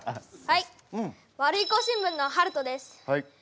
はいワルイコ新聞のはるとです。